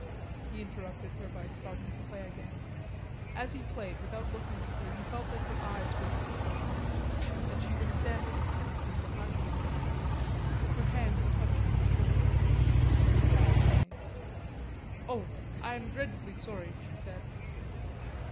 He interrupted her by starting to play again. As he played without looking at her, he felt that her eyes were fixed on him, that she was standing tensely behind him. Her hand touched his shoulder. He stopped playing. "Oh, I am dreadfully sorry," she said.